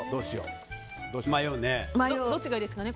どっちがいいですかね。